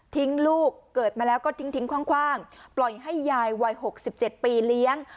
ทิ้งลูกเกิดมาแล้วก็ทิ้งทิ้งคว่างปล่อยให้ยายวัยหกสิบเจ็ดปีเลี้ยง